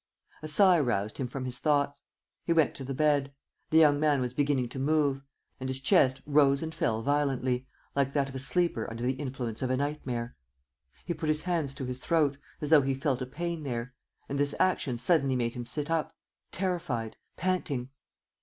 A sigh roused him from his thoughts. He went to the bed. The young man was beginning to move; and his chest rose and fell violently, like that of a sleeper under the influence of a nightmare. He put his hands to his throat, as though he felt a pain there; and this action suddenly made him sit up, terrified, panting.